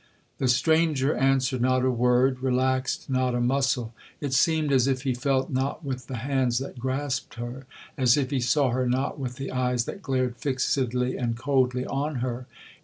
'The stranger answered not a word, relaxed not a muscle; it seemed as if he felt not with the hands that grasped her,—as if he saw her not with the eyes that glared fixedly and coldly on her.